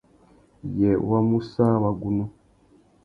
Yê wa mú sã wagunú ?